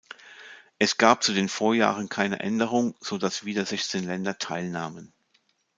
Es gab zu den Vorjahren keine Änderung, so dass wieder sechzehn Länder teilnahmen.